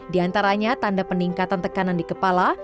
di antaranya tanda peningkatan tekanan di kepala